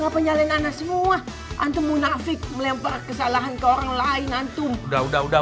penyalin anak semua antum munafik melempar kesalahan ke orang lain hantu udah udah